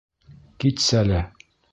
Китсәле...